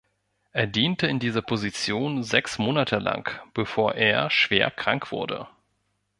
Er diente in dieser Position sechs Monate lang, bevor er schwer krank wurde.